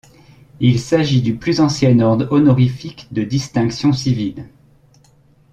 Il s'agit du plus ancien ordre honorifique de distinctions civiles.